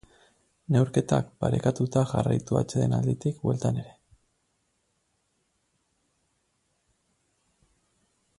Neurketak parekatuta jarraitu atsedenalditik bueltan ere.